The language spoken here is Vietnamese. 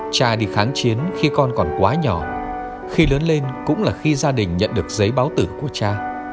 cha đi kháng chiến khi con còn quá nhỏ khi lớn lên cũng là khi gia đình nhận được giấy báo tử của cha